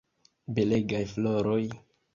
Belegaj floroj!